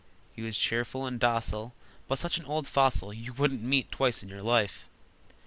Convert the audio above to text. He was cheerful and docile, But such an old fossil You wouldn't meet twice in your life.